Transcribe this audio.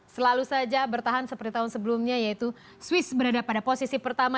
selalu saja bertahan seperti tahun sebelumnya yaitu swiss berada pada posisi pertama